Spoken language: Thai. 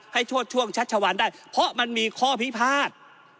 ชวดช่วงชัชวานได้เพราะมันมีข้อพิพาท